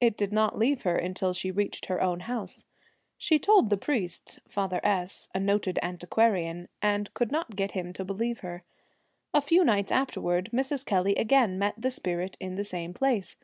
It did not leave her until she reached her own house. She told the priest, Father S , a noted antiquarian, and could not get him to believe her. A few nights afterwards Mrs. Kelly again met the spirit in the same place.